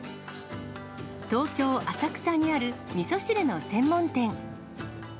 東京・浅草にある、みそ汁の専門店。